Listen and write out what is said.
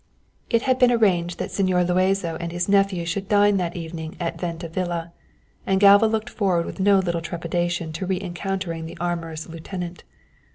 It had been arranged that Señor Luazo and his nephew should dine that evening at Venta Villa, and Galva looked forward with no little trepidation to re encountering the amorous lieutenant.